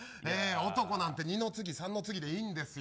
男なんて二の次、三の次でいいんですよ。